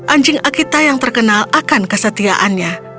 anjing akita yang terkenal akan kesetiaannya